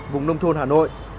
vùng nông thôn hà nội